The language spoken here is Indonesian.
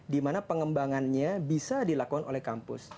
dimana pengembangannya bisa dilakukan oleh kampus